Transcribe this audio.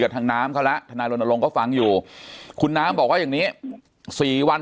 กับทางน้ำเขาละทนาลงก็ฟังอยู่คุณน้ำบอกว่าอย่างนี้๔วัน